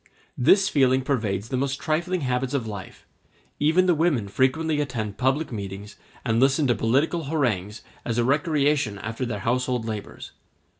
This feeling pervades the most trifling habits of life; even the women frequently attend public meetings and listen to political harangues as a recreation after their household labors.